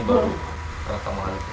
baru ketemu pak giring